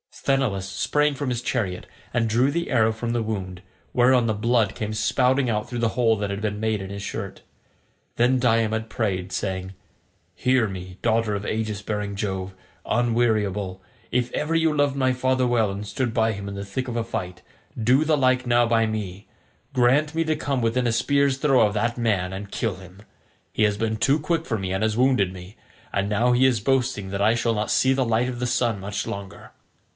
Sthenelus sprang from his chariot, and drew the arrow from the wound, whereon the blood came spouting out through the hole that had been made in his shirt. Then Diomed prayed, saying, "Hear me, daughter of aegis bearing Jove, unweariable, if ever you loved my father well and stood by him in the thick of a fight, do the like now by me; grant me to come within a spear's throw of that man and kill him. He has been too quick for me and has wounded me; and now he is boasting that I shall not see the light of the sun much longer."